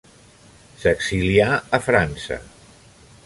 S'exilià a França.